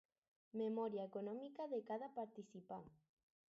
Memòria econòmica de cada participant.